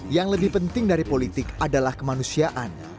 yang lebih penting dari politik adalah kemanusiaan